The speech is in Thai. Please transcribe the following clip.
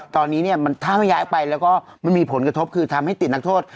ตอนนี้เนี่ยถ้าไม่ย้ายไปแล้วก็มันมีผลกระทบคือทำให้ติดนักโทษ